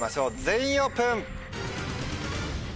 全員オープン！